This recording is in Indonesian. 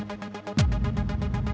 mau ngapain lo semua